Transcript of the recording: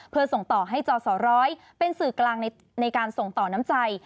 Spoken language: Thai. เพื่อส่งต่อให้จศร้อยเป็นสื่อกลางในการส่งต่อน้ำใจ